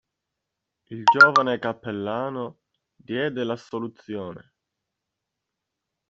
Il giovane cappellano diede l'assoluzione.